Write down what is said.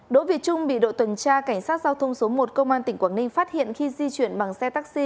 đỗ việt trung bị đội tuần tra cảnh sát giao thông số một công an tỉnh quảng ninh phát hiện khi di chuyển bằng xe taxi